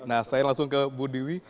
nah saya langsung ke bu dewi